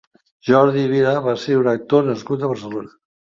Jordi Vila va ser un actor nascut a Barcelona.